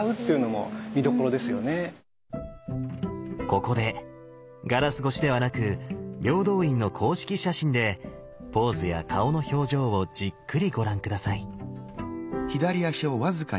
ここでガラス越しではなく平等院の公式写真でポーズや顔の表情をじっくりご覧下さい。